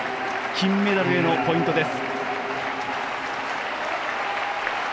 金メダルへのポイントです。